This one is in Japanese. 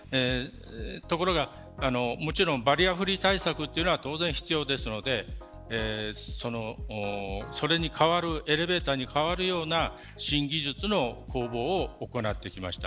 ところが、もちろんバリアフリー対策というのは当然必要なのでそれに代わるエレベーターに代わるような新技術の公募を行ってきました。